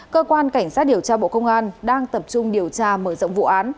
cơ quan cảnh sát điều tra bộ công an đang tập trung điều tra mở rộng vụ án